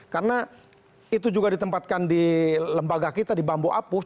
karena itu juga ditempatkan di lembaga kita di bambu apus